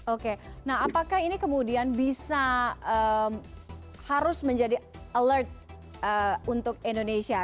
oke nah apakah ini kemudian bisa harus menjadi alert untuk indonesia